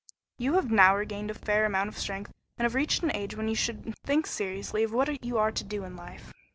"You have now regained a fair amount of strength and have reached an age when you should think seriously of what you are to do in life.